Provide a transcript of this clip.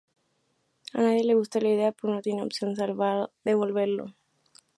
A nadie le gusta la idea, pero no tienen opción salvo devolverlo.